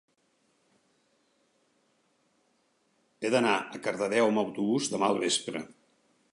He d'anar a Cardedeu amb autobús demà al vespre.